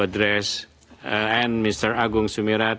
dan mr agung sumirat